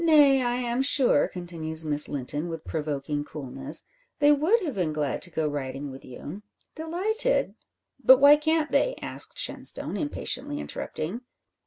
"Nay, I am sure," continues Miss Linton, with provoking coolness, "they would have been glad to go riding with you; delighted " "But why can't they?" asked Shenstone, impatiently interrupting.